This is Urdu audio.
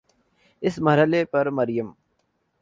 اس مرحلے پر مریم